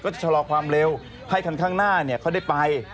ก็จะชะลอกความเร็วให้ขันข้างหน้าเนี่ยเขาได้ไป